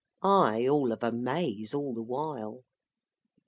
I, all of a maze all the while.